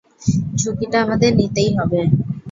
ঝুঁকিটা আমাদের নিতেই হবে!